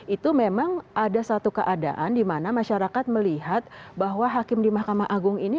itu memang ada satu keadaan di mana masyarakat melihat bahwa hakim di mahkamah agung ini